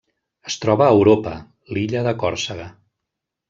Es troba a Europa: l'illa de Còrsega.